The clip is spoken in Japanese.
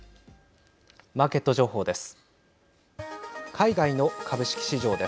マーケット情報です。